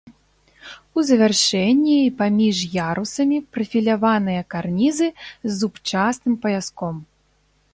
У завяршэнні і паміж ярусамі прафіляваныя карнізы з зубчастым паяском.